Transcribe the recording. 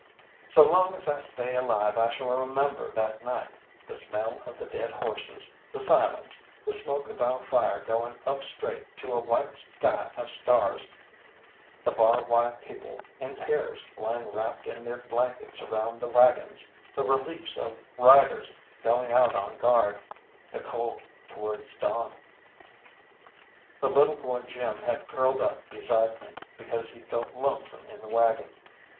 So long as I stay alive I shall remember that night, the smell of the dead horses, the silence, the smoke of our fire going up straight to a white sky of stars, the Bar Y people in pairs lying wrapped in their blankets around the waggons, the reliefs of riders going out on guard, the cold towards dawn. The little boy Jim had curled up beside me because he felt lonesome in the waggon.